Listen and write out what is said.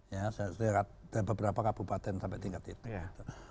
ya saya lihat dari beberapa kabupaten sampai tingkat itu